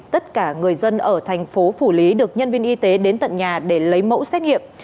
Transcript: tất cả người dân ở thành phố phủ lý được nhân viên y tế đến tận nhà để lấy mẫu xét nghiệm